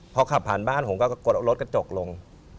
พอขับผ่านบ้านผมก็กดเอารถกระจกลง